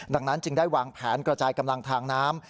ดังนั้นจึงได้วางแผนกระจายกำลังทางน้ำ